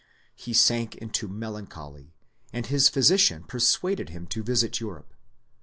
He sank into melan choly, and his physician persuaded him to visit Europe.